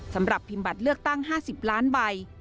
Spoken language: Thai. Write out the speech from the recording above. สำหรับพิมพ์บัตรเลือกตั้ง๕๐ล้านใบ